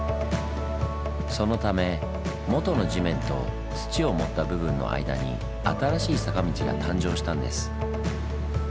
そのため元の地面と土を盛った部分の間に新しい坂道が誕生したんです。